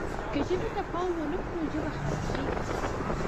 که ژبې ته پام ونه کړو ژبه خرابېږي.